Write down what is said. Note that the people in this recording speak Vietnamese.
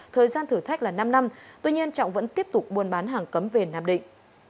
thời gian thử thách là năm năm tuy nhiên trọng vẫn tiếp tục buôn bán hàng cấm về nam định